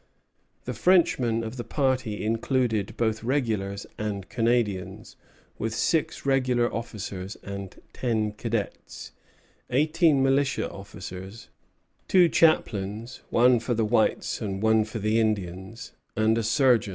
The Frenchmen of the party included both regulars and Canadians, with six regular officers and ten cadets, eighteen militia officers, two chaplains, one for the whites and one for the Indians, and a surgeon.